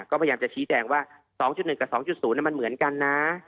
ก็พยายามจะชี้แจงว่า๒๑กับ๒๐มันเหมือนกันนะ